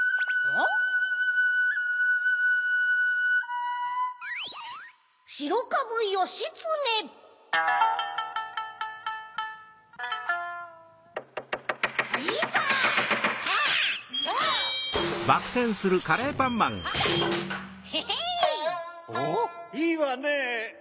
おぉっいいわね！